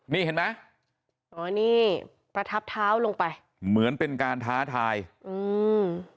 นี่เห็นไหมอ๋อนี่ประทับเท้าลงไปเหมือนเป็นการท้าทายอืม